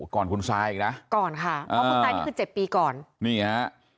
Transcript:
ก่อนคุณซายอีกนะก่อนค่ะเพราะคุณซายนี่คือเจ็ดปีก่อนนี่ฮะ